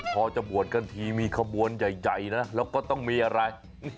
พอจะบวชกันทีมีขบวนใหญ่นะแล้วก็ต้องมีอะไร